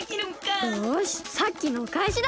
よしさっきのおかえしだ！